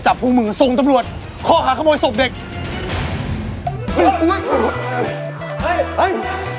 ไอ้ผู้ที่มันทำมวยส่วนเด็กไป